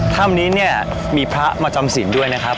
ถ้ำนี้เนี่ยมีพระมาจำศิลป์ด้วยนะครับ